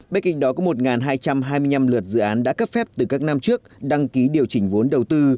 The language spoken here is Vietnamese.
bên cạnh đó có một hai trăm hai mươi năm luật dự án đã cấp phép từ các năm trước đăng ký điều chỉnh vốn đầu tư